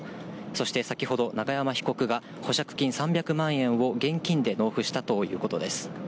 そして先ほど、永山被告が保釈金３００万円を現金で納付したということです。